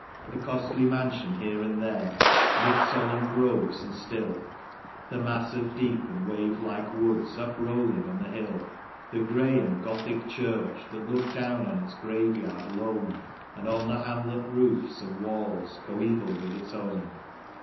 The costly mansion, here and there, mid solemn groves and still ; The mass of deep and wave like woods uproUing on the hill ; The grey and Gothic church that looked down on its graveyard lone, And on the hamlet roofs and walls coeval with its own.